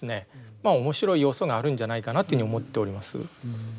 まあ面白い要素があるんじゃないかなというふうに思っております。